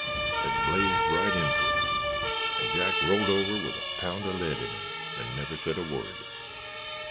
They blazed right into us, and Jack rolled over with a pound of lead in him and never said a word.